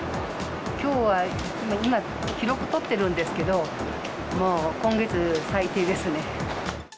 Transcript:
きょうは、今、記録取っているんですけれども、もう今月最低ですね。